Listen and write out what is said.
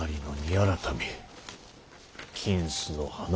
改め金子の話。